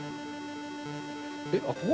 えっ？あっ、ここ？